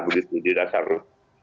begitu di dasarnya